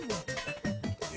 え⁉